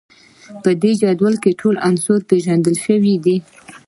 په دې جدول کې ټول څو عناصر پیژندل شوي دي